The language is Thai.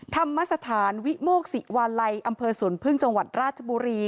ธรรมสถานวิโมกศิวาลัยอำเภอสวนพึ่งจังหวัดราชบุรี